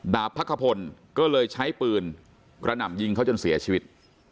พักขพลก็เลยใช้ปืนกระหน่ำยิงเขาจนเสียชีวิต